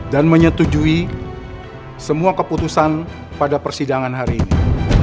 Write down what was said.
dan menyetujui semua keputusan pada persidangan hari ini